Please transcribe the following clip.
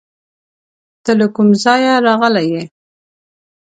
ته له کوم ځایه راغلی یې؟